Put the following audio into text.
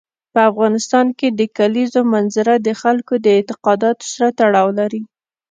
په افغانستان کې د کلیزو منظره د خلکو د اعتقاداتو سره تړاو لري.